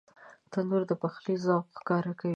تنور د پخلي ذوق ښکاره کوي